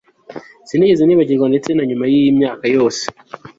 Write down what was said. sinigeze nibagirwa, ndetse na nyuma yiyi myaka yose